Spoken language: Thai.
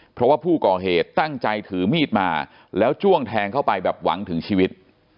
เพราะว่าผู้ก่อเหตุตั้งใจถือมีดมาแล้วจ้วงแทงเข้าไปแบบหวังถึงชีวิต